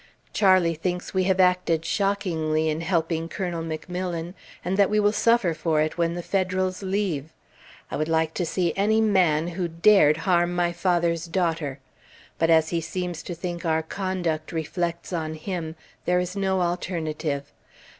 Charlie thinks we have acted shockingly in helping Colonel McMillan, and that we will suffer for it when the Federals leave. I would like to see any man who dared harm my father's daughter! But as he seems to think our conduct reflects on him, there is no alternative.